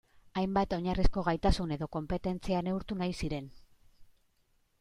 Hainbat oinarrizko gaitasun edo konpetentzia neurtu nahi ziren.